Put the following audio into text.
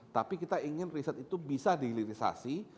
tapi kita ingin riset itu bisa dihilirisasi